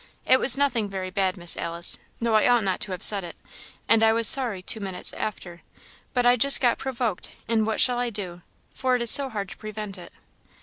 It was nothing very bad, Miss Alice, though I ought not to have said it, and I was sorry two minutes after; but I just got provoked, and what shall I do? for it is so hard to prevent it."